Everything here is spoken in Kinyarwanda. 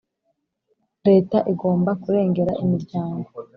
leta igomba kurengera imiryango,